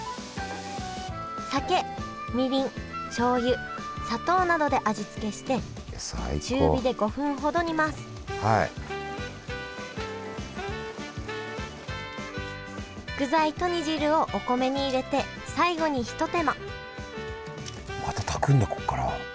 酒みりんしょうゆ砂糖などで味付けして具材と煮汁をお米に入れて最後にひと手間また炊くんだここから。